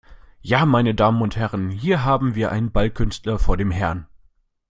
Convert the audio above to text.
Ja meine Damen und Herren, hier haben wir einen Ballkünstler vor dem Herrn!